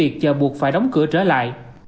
chợ buộc phải đóng cửa trở lại